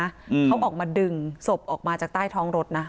อืมเขาออกมาดึงศพออกมาจากใต้ท้องรถน่ะ